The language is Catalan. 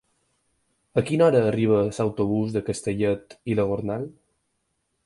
A quina hora arriba l'autobús de Castellet i la Gornal?